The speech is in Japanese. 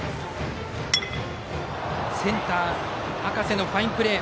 センター、赤瀬のファインプレー。